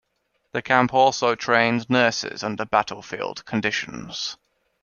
The camp also trained nurses under battlefield conditions.